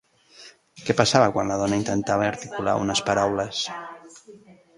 Què passava quan la dona intentava articular unes paraules?